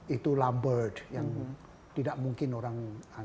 itu lamberg yang tidak mungkin orang